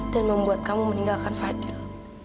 dan membuat kamu meninggalkan fadil